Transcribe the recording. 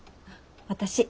私。